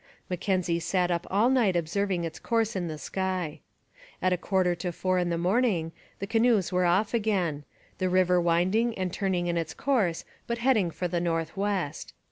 Mackenzie sat up all night observing its course in the sky. At a quarter to four in the morning, the canoes were off again, the river winding and turning in its course but heading for the north west.